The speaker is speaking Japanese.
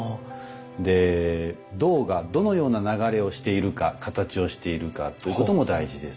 で胴がどのような流れをしているか形をしているかということも大事です。